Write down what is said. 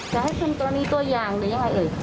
จะให้คุณตัวนี้ตัวอย่างหรือยังไงเอ๋ย